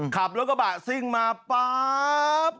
ขับรถกระบะซิ่งมาป๊าบ